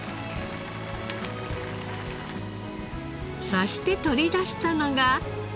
そして取り出したのが。